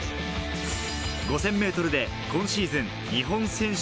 ５０００ｍで今シーズン、日本選手